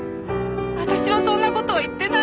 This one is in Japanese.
私はそんな事は言ってない！